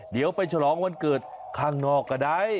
เดี๋ยวไปฉลองวันเกิดข้างนอกก็ได้